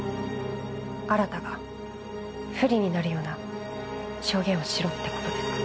新が不利になるような証言をしろって事ですか？